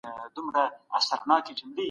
زه اوس د مظلومانو سره مرسته کوم.